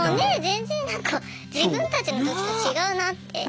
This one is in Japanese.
全然なんか自分たちのときと違うなって。